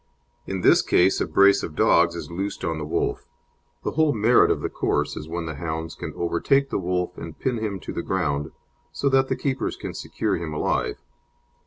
In this case a brace of dogs is loosed on the wolf. The whole merit of the course is when the hounds can overtake the wolf and pin him to the ground, so that the keepers can secure him alive.